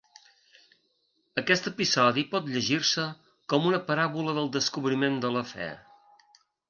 Aquest episodi pot llegir-se com una paràbola del descobriment de la fe.